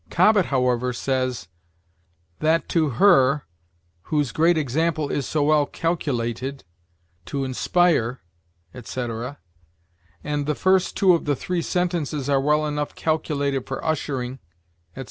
Cobbett, however, says, "That, to Her, whose great example is so well calculated to inspire," etc.; and, "The first two of the three sentences are well enough calculated for ushering," etc.